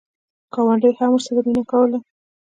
ګاونډي هم ورسره مینه کوله.